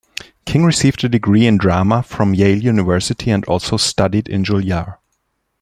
King received a degree in drama from Yale University, and also studied at Juilliard.